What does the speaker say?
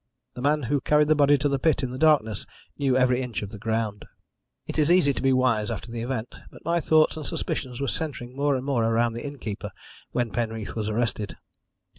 The man who carried the body to the pit in the darkness knew every inch of the ground. "It is easy to be wise after the event, but my thoughts and suspicions were centering more and more around the innkeeper when Penreath was arrested.